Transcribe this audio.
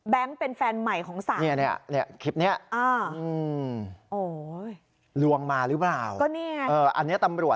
แบงค์เป็นแฟนใหม่ของสาม